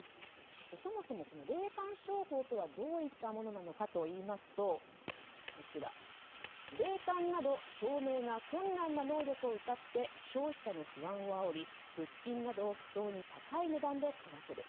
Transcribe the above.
そもそもこの霊感商法とはどういったものなのかといいますと霊感など証明が困難な能力をうたって消費者の不安をあおり物品などを不当に高い値段で買わせる。